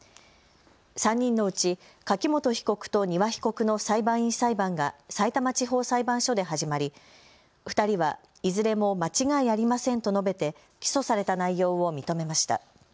３人のうち柿本被告と丹羽被告の裁判員裁判がさいたま地方裁判所で始まり２人はいずれも間違いありませんと述べて起訴された内容を認めました。